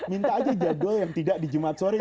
minta aja jadwal yang tidak di jumat sore